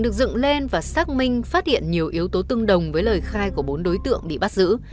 được dựng lên và xác minh phát hiện nhiều yếu tố tương đồng với lời khai của bốn đối tượng bị bắt giữ